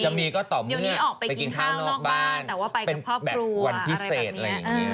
จะมีก็ต่อเมื่อไปกินข้าวนอกบ้านเป็นแบบวันพิเศษอะไรอย่างนี้